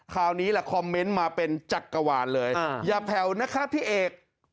คราวนี้แหละคอมเมนต์มาเป็นจักรวาลเลยอย่าแผ่วนะคะพี่เอก